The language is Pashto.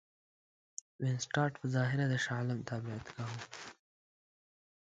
وینسیټارټ په ظاهره د شاه عالم تابعیت کاوه.